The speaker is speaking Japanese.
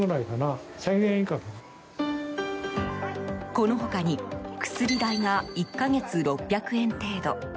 この他に薬代が１か月６００円程度。